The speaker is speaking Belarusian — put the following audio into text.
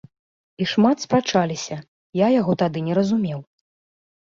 І шмат спрачаліся, я яго тады не разумеў.